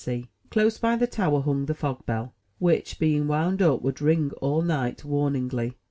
86 THE TREASURE CHEST Close by the tower hung the fog bell, which, being wound up, would ring all night, wamingly.